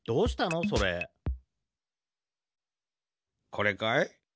これかい？